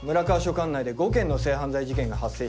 管内で５件の性犯罪事件が発生しています。